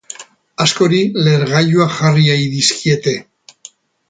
Askori lehergailuak jarri ei dizkiete.